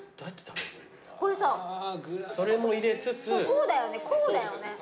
こうだよねこうだよね。お皿。